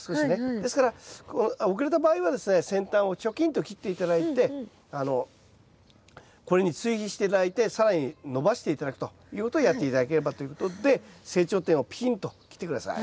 ですから遅れた場合はですね先端をチョキンと切って頂いてこれに追肥して頂いて更に伸ばして頂くということをやって頂ければということで成長点をピキンと切って下さい。